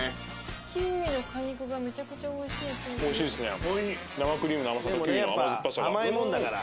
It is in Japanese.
キウイの果肉がめちゃくちゃおいしいああ！